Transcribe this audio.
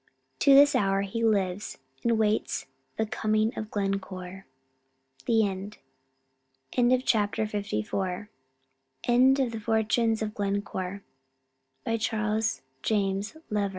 To this hour he lives, and waits the "coming of Glencore." THE END. End of Project Gutenberg's The Fortunes Of Glencore, by Charles James Lever